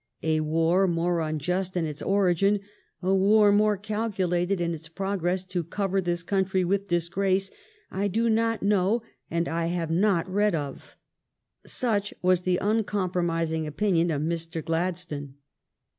"A war more unjust in its origin, a war ^^^»^g ^ more calculated in its progress to cover this country with disgrace, I do not know and I have not read of" — such was the uncompromis ing opinion of Mr. Gladstone.